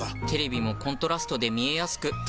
テレビもコントラストで見えやすく。